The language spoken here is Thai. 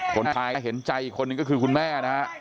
คนทายเห็นใจอีกคนนึงก็คือคุณแม่